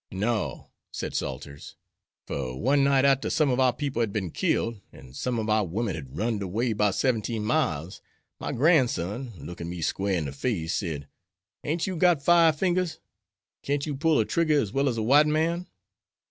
"No," said Salters, "fer one night arter some ob our pore people had been killed, an' some ob our women had run'd away 'bout seventeen miles, my gran'son, looking me squar in de face, said: 'Ain't you got five fingers? Can't you pull a trigger as well as a white man?'